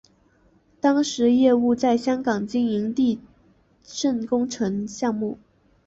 当时业务在香港经营地基工程项目。